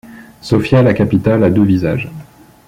Sofia, la capitale, a deux visages.